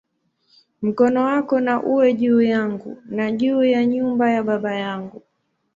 Mkono wako na uwe juu yangu, na juu ya nyumba ya baba yangu"!